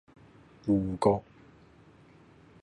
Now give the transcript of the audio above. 芋角